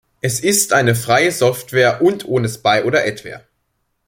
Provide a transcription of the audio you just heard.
Es ist eine freie Software und ohne Spy- oder Adware.